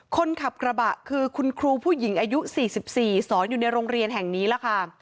คนขับกระบะคือคุณครูผู้หญิงอายุ๔๔สอนอยู่ในโรงเรียนแห่งนี้ล่ะค่ะ